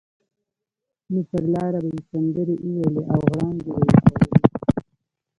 نو پر لاره به یې سندرې ویلې او غړانګې به یې کولې.